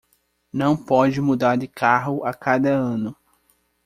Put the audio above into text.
Não pode mudar de carro a cada ano